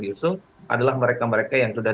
diusung adalah mereka mereka yang sudah